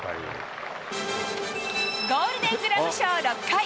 ゴールデングラブ賞６回。